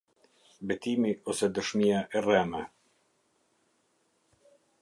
Betimi ose dëshmia e rreme.